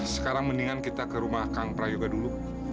sekarang mendingan kita ke rumah kang prayuga dulu